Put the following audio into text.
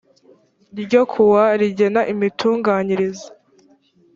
ryo ku wa rigena imitunganyirize